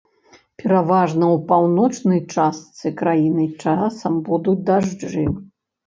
Пераважна ў паўночнай частцы краіны часам будуць дажджы.